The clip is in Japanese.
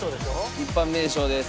一般名称です。